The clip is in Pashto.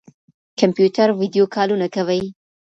کمپيوټر ويډيو کالونه کوي.